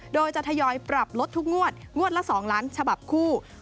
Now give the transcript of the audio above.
โดยจะทยอยปรับลดทุกงวดงวดละ๒ล้านฉบับคู่